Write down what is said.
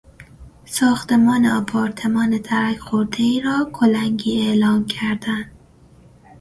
ساختمان آپارتمان ترک خوردهای را کلنگی اعلام کردن